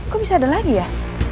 kok bisa ada lagi ya